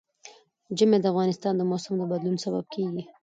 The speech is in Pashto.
ژمی د افغانستان د موسم د بدلون سبب کېږي.